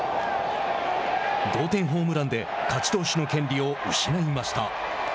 同点ホームランで勝ち投手の権利を失いました。